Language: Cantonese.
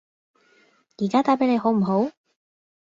而家打畀你好唔好？